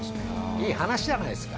いい話じゃないですか。